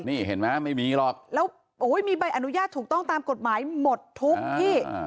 นี่เห็นไหมไม่มีหรอกแล้วโอ้ยมีใบอนุญาตถูกต้องตามกฎหมายหมดทุกที่